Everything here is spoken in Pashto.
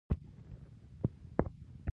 ستا په نشتون کي ستا د شتون فکر